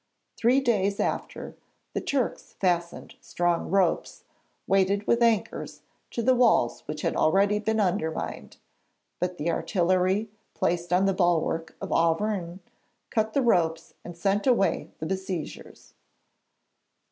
Three days after, the Turks fastened strong ropes, weighted with anchors, to the walls which had already been undermined; but the artillery, placed on the bulwark of Auvergne, cut the ropes and sent away the besiegers.